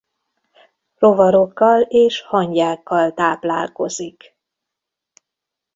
Rovarokkal és hangyákkal táplálkozik.